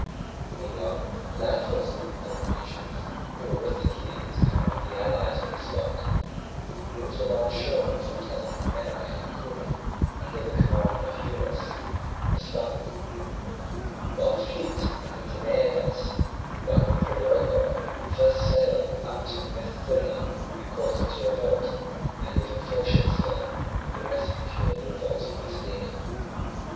Meanwhile the land forces of the Peloponnesians who were with the Chians and of the allies on the spot, moved alongshore for Clazomenae and Cuma, under the command of Eualas, a Spartan; while the fleet under Diniadas, one of the Perioeci, first sailed up to Methymna and caused it to revolt, and, leaving four ships there, with the rest procured the revolt of Mitylene.